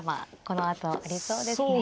このあとありそうですね。